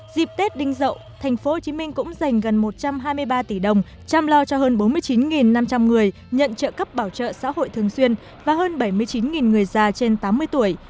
dịp tết đình dậu thành phố hồ chí minh cũng dành gần một trăm hai mươi ba tỷ đồng chăm lo cho hơn bốn mươi chín năm trăm linh người nhận trợ cấp bảo trợ xã hội thường xuyên và hơn bảy mươi chín người già trên tám mươi tuổi